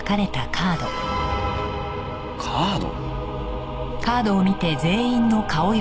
カード？